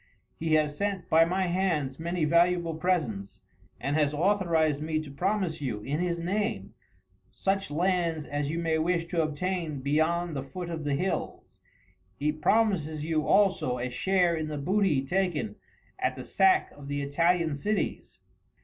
He has sent by my hands many valuable presents, and has authorized me to promise you, in his name, such lands as you may wish to obtain beyond the foot of the hills. He promises you, also, a share in the booty taken at the sack of the Italian cities."